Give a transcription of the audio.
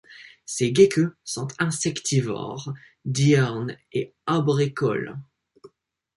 Ces geckos sont insectivores diurnes et arboricoles.